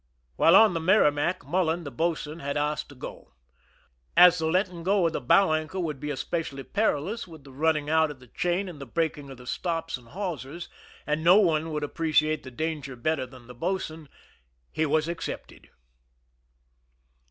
While on the Merrimac, Mullen, the boatswain, had asked to go. As the letting go of the bow anchor would be especially perilous, with the run ning out of the chain and the breaking of stops and hawsers, and no one would appreciate the danger better than the boatswain, he was accepted.